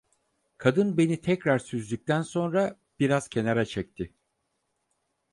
Kadın beni tekrar süzdükten sonra, biraz kenara çekti: